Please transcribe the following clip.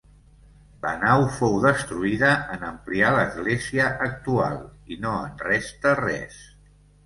La nau fou destruïda en ampliar l'església actual i no en resta res.